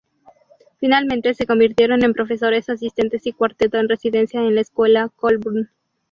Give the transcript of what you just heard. Finalmente se convirtieron en profesores asistentes y cuarteto en residencia en la Escuela Colburn.